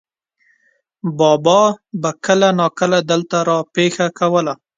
بابا به کله ناکله دلته را پېښه کوله.